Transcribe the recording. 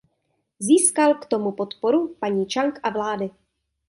Získal k tomu podporu paní Čang a vlády.